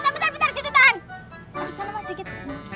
bentar bentar bentar situ tahan